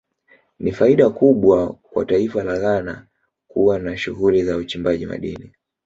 Ni faida kubwa kwa taifa la Ghana kuwa na shughuli za uchimbaji madini